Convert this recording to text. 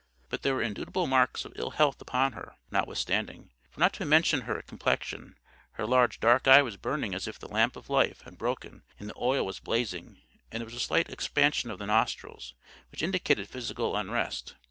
But there were indubitable marks of ill health upon her, notwithstanding; for not to mention her complexion, her large dark eye was burning as if the lamp of life had broken and the oil was blazing; and there was a slight expansion of the nostrils, which indicated physical unrest.